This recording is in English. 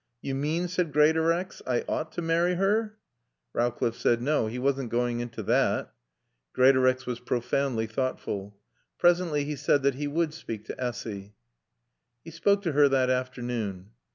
"Yo mane," said Greatorex, "I ought to marry her?" Rowcliffe said no, he wasn't going into that. Greatorex was profoundly thoughtful. Presently he said that he would speak to Essy. He spoke to her that afternoon.